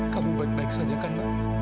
kamu baik baik saja kan